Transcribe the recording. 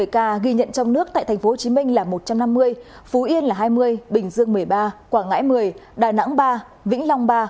một mươi ca ghi nhận trong nước tại tp hcm là một trăm năm mươi phú yên là hai mươi bình dương một mươi ba quảng ngãi một mươi đà nẵng ba vĩnh long ba